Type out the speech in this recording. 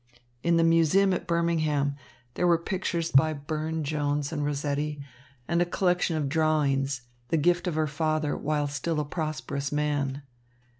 In the museum at Birmingham, there were pictures by Burne Jones and Rossetti and a collection of drawings, the gift of her father while still a prosperous man.